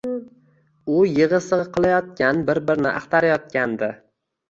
U yig‘i-sig‘i qilayotgan, bir-birini axtarayotgandi.